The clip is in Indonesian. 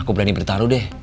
aku berani bertaruh deh